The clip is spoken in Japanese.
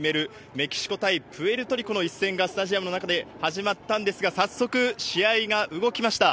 メキシコ対プエルトリコの一戦が、スタジアムの中で始まったんですが、早速、試合が動きました。